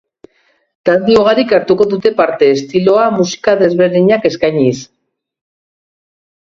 Talde ugarik hartuko du parte, estilo eta musika desberdinak eskainiz.